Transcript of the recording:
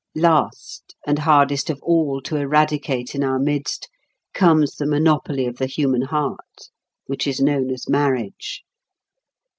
Last, and hardest of all to eradicate in our midst, comes the monopoly of the human heart, which is known as marriage.